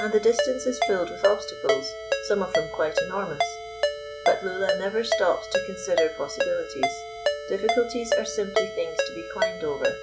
And the distance is filled with obstacles, some of them quite enormous. But Lulla never stops to consider possibilities. Difficulties are simply things to be climbed over.